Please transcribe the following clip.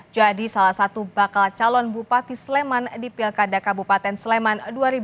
jadi salah satu bakal calon bupati sleman di pilkada kabupaten sleman dua ribu dua puluh empat